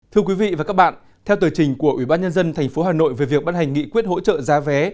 thưa quý vị và các bạn theo tờ trình của ủy ban nhân dân tp hà nội về việc bắt hành nghị quyết hỗ trợ giá vé